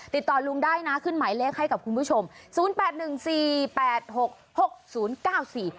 ติดต่อลุงได้นะขึ้นหมายเลขให้กับคุณผู้ชมศูนย์แปดหนึ่งสี่แปดหกหกศูนย์เก้าสี่